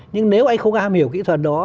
nhưng nếu anh không am hiểu kỹ thuật đó